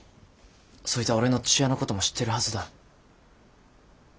そいつは俺の父親のことも知ってるはずだ。